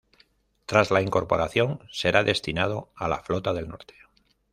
Tras la incorporación, será destinado a la Flota del Norte.